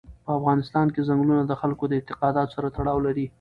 په افغانستان کې چنګلونه د خلکو د اعتقاداتو سره تړاو لري.